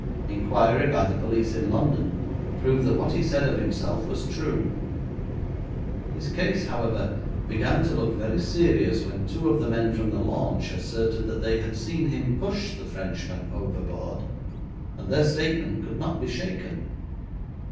Inquiry by the police in London proved that what he said of himself was true. His case, however, began to look very serious when two of the men from the launch asserted that they had seen him push the Frenchman overboard, and their statement could not be shaken.